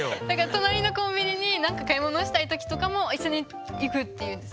隣のコンビニに何か買い物したい時とかも一緒に行くって言うんですね。